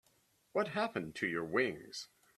What happened to your wings?